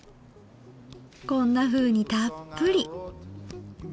こんなふうにたっぷり。